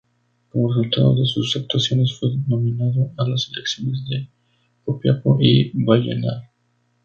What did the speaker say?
Como resultado de sus actuaciones fue nominado a las selecciones de Copiapó y Vallenar.